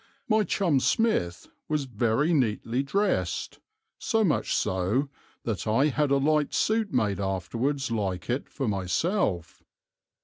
My chum Smith was very neatly dressed, so much so that I had a light suit made afterwards like it for myself.